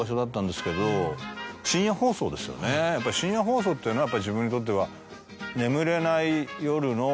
深夜放送っていうのは自分にとっては。